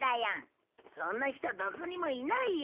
そんな人どこにもいないよ。